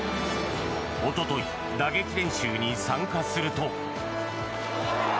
一昨日打撃練習に参加すると。